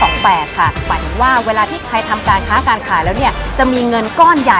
นั่นก็คือเรื่องเกี่ยวใจนะคะ